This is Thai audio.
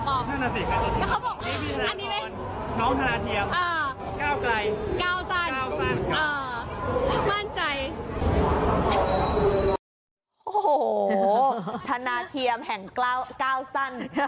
โอ้โหธนาเทียมแห่งก้าวสั้น